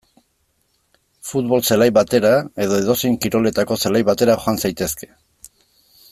Futbol zelai batera edo edozein kiroletako zelai batera joan zaitezke.